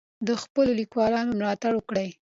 د خپلو لیکوالانو ملاتړ وکړئ.